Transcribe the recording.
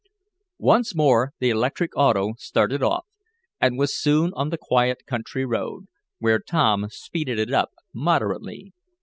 Once more the electric auto started off, and was soon on the quiet country road, where Tom speeded it up moderately.